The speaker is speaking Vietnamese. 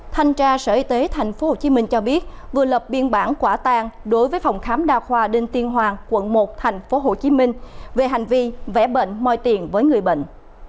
thanh tra sở y tế tp hcm cho biết vừa lập biên bản quả tang đối với phòng khám đa khoa đinh tiên hoàng quận một tp hcm về hành vi vẽ bệnh moi tiền với người bệnh